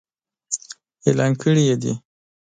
اعلان کړي يې دي.